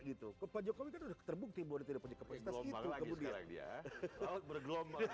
gitu ke pak jokowi terbukti boleh tidak punya kapasitas itu kemudian bergelombang tidak tidak